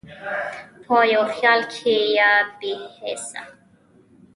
په یو خیال کې یا بې هېڅه،